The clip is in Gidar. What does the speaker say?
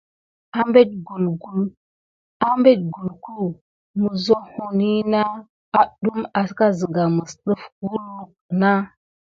Abete kulku misohohi na adum à siga mis def kum kulu naà.